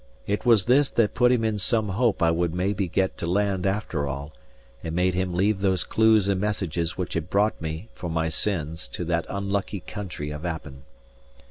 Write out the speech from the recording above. It was this that put him in some hope I would maybe get to land after all, and made him leave those clues and messages which had brought me (for my sins) to that unlucky country of Appin.